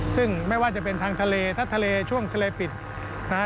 ซึ่งไม่ว่าจะเป็นทางทะเลถ้าทะเลช่วงทะเลปิดนะฮะ